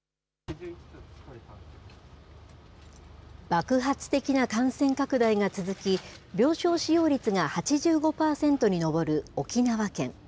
爆発的な感染拡大が続き、病床使用率が８５％に上る沖縄県。